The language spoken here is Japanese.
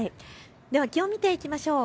気温、見ていきましょう。